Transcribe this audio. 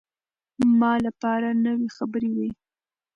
ما لپاره نوې خبرې وې.